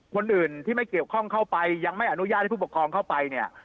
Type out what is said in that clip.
คนอื่นที่ไม่เกี่ยวข้องเข้าไปยังไม่อนุญาตให้ผู้ปกครองเข้าไปเนี่ย